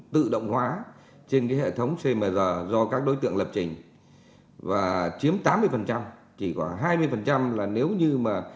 tự động hóa trên cái hệ thống cmr do các đối tượng lập trình và chiếm tám mươi chỉ có hai mươi là nếu như mà